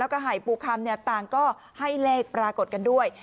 แล้วก็หายปูคำเนี้ยต่างก็ให้เร่กปรากฎกันด้วย